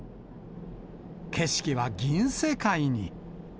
景色は銀世界に。